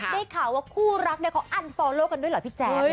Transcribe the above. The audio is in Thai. ได้ข่าวว่าคู่รักเนี่ยเขาอั้นฟอร์โลกันด้วยเหรอพี่แจ๊ค